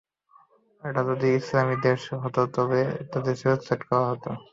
এটা যদি কোনো ইসলামি দেশে হতো তবে তাদের শিরশ্ছেদ করা হতো।